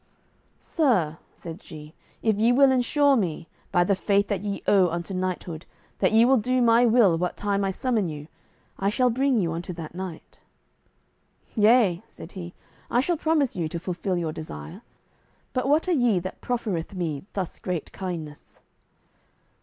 "Sir," said she, "if ye will ensure me, by the faith that ye owe unto knighthood, that ye will do my will what time I summon you, I shall bring you unto that knight." "Yea," said he, "I shall promise you to fulfil your desire. But what are ye that proffereth me thus great kindness?"